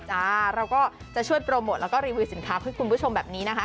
เราก็จะช่วยโปรโมทแล้วก็รีวิวสินค้าเพื่อคุณผู้ชมแบบนี้นะคะ